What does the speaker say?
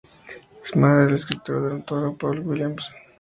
Es madre del escritor y dramaturgo Paul Willems.